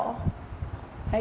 trắng là hành tây